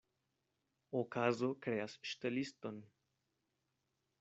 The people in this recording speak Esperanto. Okazo kreas ŝteliston.